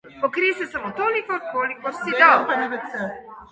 Pokrij se samo toliko, kolikor si dolg.